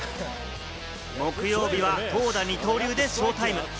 木曜日は投打二刀流でショータイム。